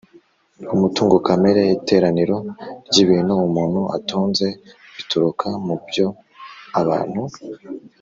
umutungo kamere: iteraniro ry’ibintu umuntu atunze bituruka mu byo abantu